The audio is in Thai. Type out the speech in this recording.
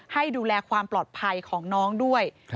ให้ดูแลความปลอดภัยของน้องด้วย